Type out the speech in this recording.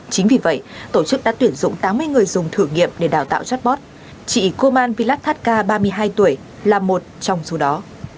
chính vì vậy tổ chức đã tuyển dụng tám mươi người dùng thử nghiệm để đào tạo chatbot chị koman pilatartca ba mươi hai tuổi là một trong số đó